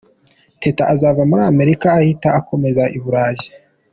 Teta azava muri Amerika ahita akomereza i Burayi.